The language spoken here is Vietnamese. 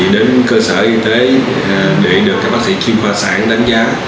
đến cơ sở y tế để được các bác sĩ chuyên khoa sản đánh giá